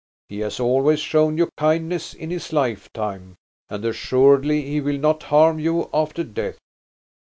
He has always shown you kindness in his lifetime, and assuredly he will not harm you after death.